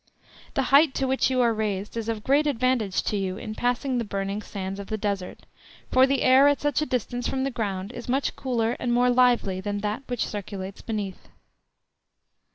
The height to which you are raised is of great advantage to you in passing the burning sands of the Desert, for the air at such a distance from the ground is much cooler and more lively than that which circulates beneath.